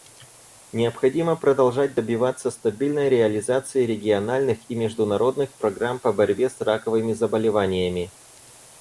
Необходимо продолжать добиваться стабильной реализации региональных и международных программ по борьбе с раковыми заболеваниями.